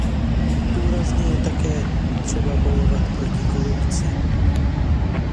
Důrazně je také třeba bojovat proti korupci.